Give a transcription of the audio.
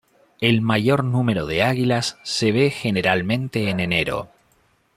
El mayor número de águilas se ve generalmente en enero.